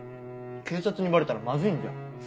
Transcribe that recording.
警察にバレたらまずいんじゃ。